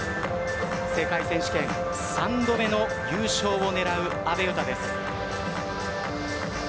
世界選手権３度目の優勝を狙う阿部詩です。